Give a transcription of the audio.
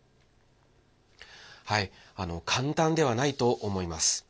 簡単ではないと思います。